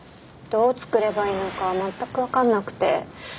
どう作ればいいのかまったく分かんなくて。